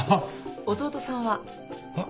弟さんは？はっ？